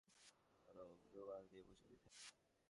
শিশু যদি ঘামে, তাহলে তাকে একটু পরপর নরম রুমাল দিয়ে মুছে দিতে হবে।